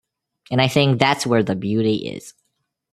And I think that's where the beauty is.